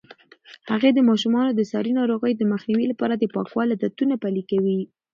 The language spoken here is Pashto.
هغې د ماشومانو د ساري ناروغیو د مخنیوي لپاره د پاکوالي عادتونه پلي کوي.